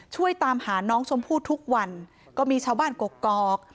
ช่วยตามหาน้องชมพู่ทุกวันก็มีชาวบ้านกกอก